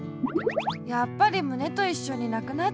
やっぱりむねといっしょになくなっちゃう。